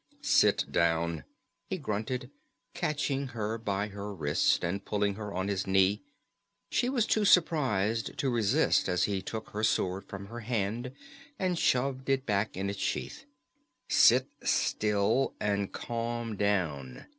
"Sit down," he grunted, catching her by her wrist and pulling her down on his knee. She was too surprised to resist as he took her sword from her hand and shoved it back in its sheath. "Sit still and calm down.